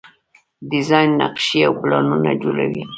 ډیزاین نقشې او پلانونه جوړوي.